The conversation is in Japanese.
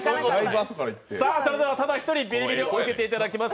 それではただ一人、ビリビリを受けていただきます。